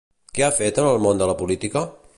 Què ha fet en el món de la política?